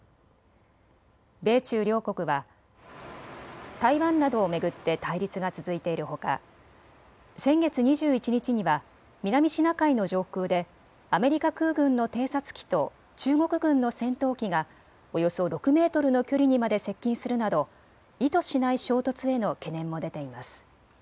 米中両国は、台湾などを巡って対立が続いているほか先月２１日には南シナ海の上空でアメリカ空軍の偵察機と中国軍の戦闘機がおよそ６メートルの距離にまで接近するなど意図しない衝突への懸念も出ています。